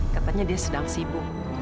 katanya dia sedang sibuk